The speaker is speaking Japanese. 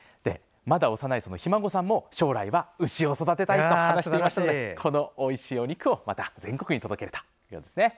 まだ幼いひ孫さんも将来は牛を育てたいと話していましたのでこのおいしいお肉をまた全国に届けるということです。